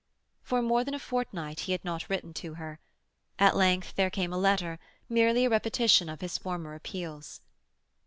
For more than a fortnight he had not written to her. At length there came a letter, merely a repetition of his former appeals.